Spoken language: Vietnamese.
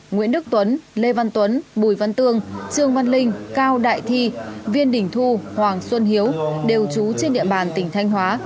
nguyễn đức tuấn lê văn tuấn bùi văn tương trường văn linh cao đại thi viên đình thu hoàng xuân hiếu đều trú trên địa bàn tỉnh thanh hóa